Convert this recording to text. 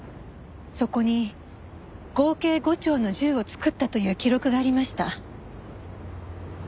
そこに合計５丁の銃を作ったという記録がありました。